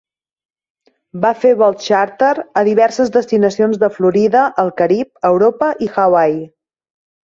Va fer vols xàrter a diverses destinacions de Florida, el Carib, Europa i Hawaii.